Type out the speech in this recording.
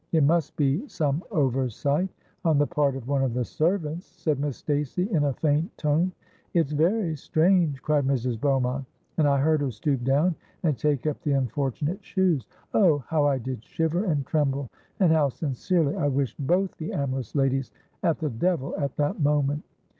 —'It must be some oversight on the part of one of the servants,' said Miss Stacey, in a faint tone.—'It's very strange!' cried Mrs. Beaumont; and I heard her stoop down and take up the unfortunate shoes. Oh! how I did shiver and tremble! and how sincerely I wished both the amorous ladies at the devil at that moment!